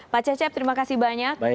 pak cecep terima kasih banyak